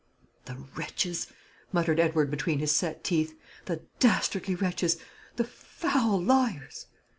"The wretches!" muttered Edward between his set teeth; "the dastardly wretches! the foul liars!"